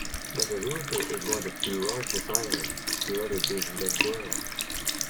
Bazaruto is one of two largest islands, the other being Benguerra.